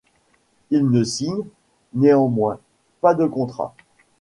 Il ne signe, néanmoins, pas de contrat.